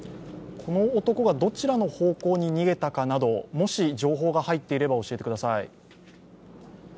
この男がどちらの方向に逃げたなど、もし情報が入っていれば教えてください。